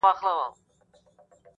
ځوانان بحث کوي په کوڅو تل,